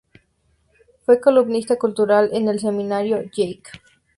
Fue columnista cultural en el semanario "Jaque".